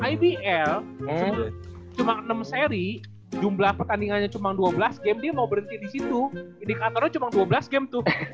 ibl cuma enam seri jumlah pertandingannya cuma dua belas game dia mau berhenti di situ indikatornya cuma dua belas game tuh